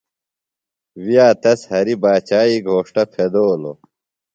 ویہ تس ہریۡ باچائی گھوݜٹہ پھیدولوۡ۔